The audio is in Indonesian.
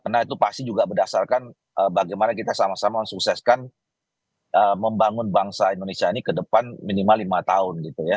nah itu pasti juga berdasarkan bagaimana kita sama sama mensukseskan membangun bangsa indonesia ini ke depan minimal lima tahun gitu ya